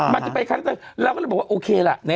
มันจะไปครั้งอีกแล้วเราก็แบบว่าโอเคละ